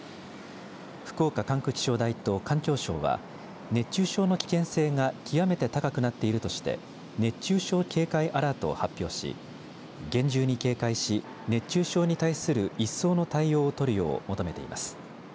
福岡管区気象台と環境省は熱中症の危険性が極めて高くなっているとして熱中症警戒アラートを発表し厳重に警戒し、熱中症に対する一層の対応を取るよう求めています。